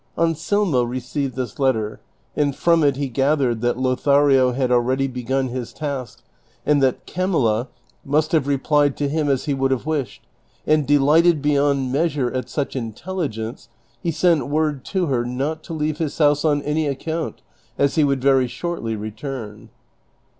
Ansel mo received this letter, and from it he gathered that Lothario had already begun his task and that Camilla must have replied to him as he would have wished ; and delighted beyond measure at snch in telligence he sent word to her not to leave his house on any account, as he would very shoi'tly return.